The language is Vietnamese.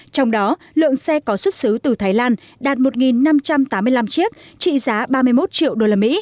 trong đó lượng xe có xuất xứ từ thái lan đạt một năm trăm tám mươi năm chiếc trị giá ba mươi một triệu usd